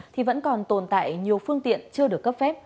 thì vẫn còn tồn tại nhiều phương tiện chưa được cấp phép